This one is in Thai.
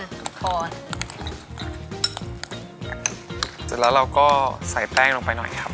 เสร็จแล้วเราก็ใส่แป้งลงไปหน่อยครับ